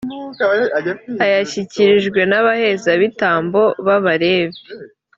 ayashyikirijwe n’abaherezabitambo b’abalevi.